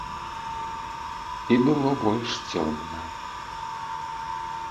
І было больш цёмна.